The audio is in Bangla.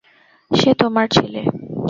সে তোমার ছেলে?